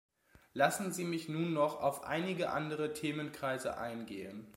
Lassen Sie mich nun noch auf einige andere Themenkreise eingehen.